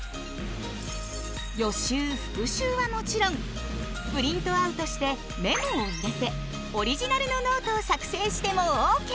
予習復習はもちろんプリントアウトしてメモを入れてオリジナルのノートを作成してもＯＫ！